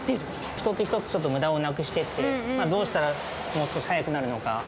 一つ一つちょっとむだをなくしていって、どうしたらもう少し速くなるのかを。